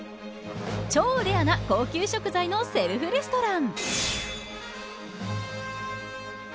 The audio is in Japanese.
超レアな高級食材のセルフレストラン。